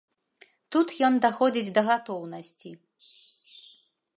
Тут ён даходзіць да гатоўнасці.